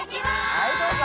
はいどうぞ。